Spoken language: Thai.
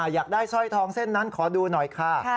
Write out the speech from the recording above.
อยากได้สร้อยทองเส้นนั้นขอดูหน่อยค่ะ